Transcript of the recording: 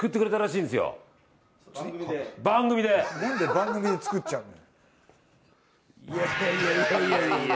なんで番組で作っちゃうの？